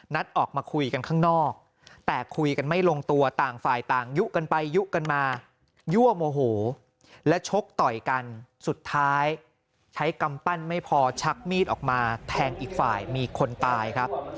ออกมาคุยกันข้างนอกแต่คุยกันไม่ลงตัวต่างฝ่ายต่างยุกันไปยุกันมายั่วโมโหและชกต่อยกันสุดท้ายใช้กำปั้นไม่พอชักมีดออกมาแทงอีกฝ่ายมีคนตายครับ